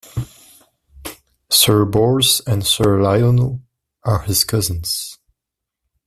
Sir Bors and Sir Lionel are his cousins.